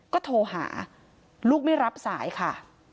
ก็โทรหาลูกไม่รับสายค่ะ